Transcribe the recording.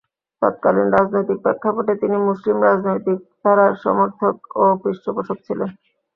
তৎকালীন রাজনৈতিক প্রেক্ষাপটে তিনি মুসলিম রাজনৈতিক ধারার সমর্থক ও পৃষ্ঠপোষক ছিলেন।